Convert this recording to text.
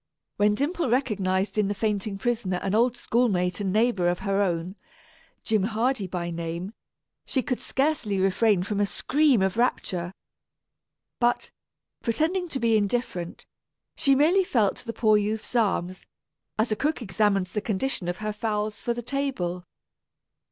When Dimple recognized in the fainting prisoner an old schoolmate and neighbor of her own, Jim Hardy by name, she could scarcely refrain from a scream of rapture. But, pretending to be indifferent, she merely felt the poor youth's arms, as a cook examines the condition of her fowls for the table.